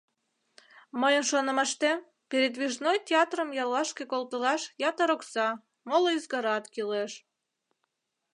Мыйын шонымаштем, передвижной театрым яллашке колтылаш ятыр окса, моло ӱзгарат кӱлеш.